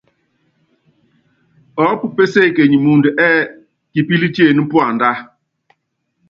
Ɔɔ́pu péséékenyi muundɔ ɛ́ɛ́: Kipílɛ́ tiené puandɛ́.